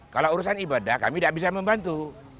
kalau urusan ibadah kami tidak bisa membantu